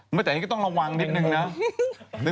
เมื่อแต่เนี้ยก็ต้องระวังนิดนึงนะ